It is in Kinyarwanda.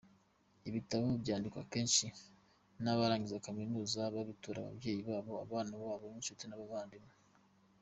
Ibitabo byandikwa kenshi n’abarangiza Kaminuza babitura ababyeyi babo, abana babo, inshuti n’abavandimwe.